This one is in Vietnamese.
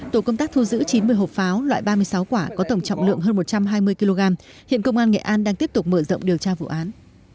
tổ công tác thu giữ chín mươi hộp pháo loại ba mươi sáu quả có tổng trọng lượng hơn một trăm hai mươi kg hiện công an nghệ an đang tiếp tục mở rộng điều tra vụ án